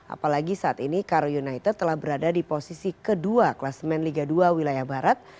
apalagi saat ini karo united telah berada di posisi kedua kelas men liga dua wilayah barat